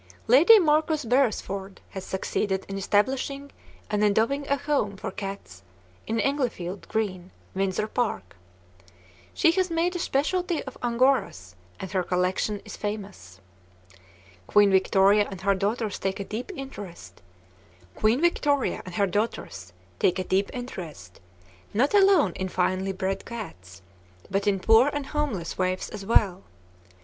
Lady Marcus Beresford has succeeded in establishing and endowing a home for cats in Englefield Green, Windsor Park. She has made a specialty of Angoras, and her collection is famous. Queen Victoria and her daughters take a deep interest, not alone in finely bred cats, but in poor and homeless waifs as well.